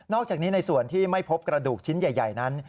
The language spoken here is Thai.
อกจากนี้ในส่วนที่ไม่พบกระดูกชิ้นใหญ่นั้น